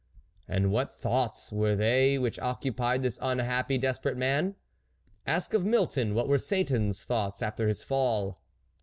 And what thoughts were they which occupied this unhappy, desperate man ? Ask of Milton what were Satan's thoughts after his fall.